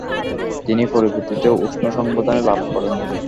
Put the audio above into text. তিনি পরবর্তীতে উষ্ণ সংবর্ধনায় লাভ করেন।